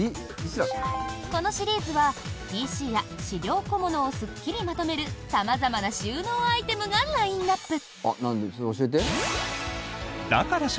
このシリーズはＰＣや資料小物をすっきりまとめる様々な収納アイテムがラインアップ。